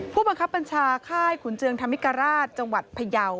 ผู้บังคับบัญชาค่ายขุนเจืองธรรมิกราชจังหวัดพยาว